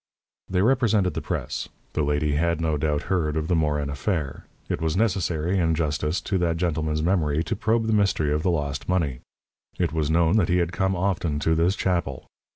They represented the press. The lady had, no doubt, heard of the Morin affair. It was necessary, in justice to that gentleman's memory, to probe the mystery of the lost money. It was known that he had come often to this chapel.